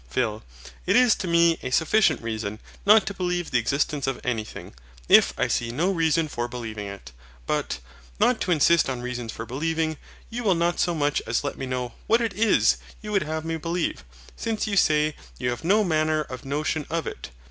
PHIL. It is to me a sufficient reason not to believe the existence of anything, if I see no reason for believing it. But, not to insist on reasons for believing, you will not so much as let me know WHAT IT IS you would have me believe; since you say you have no manner of notion of it.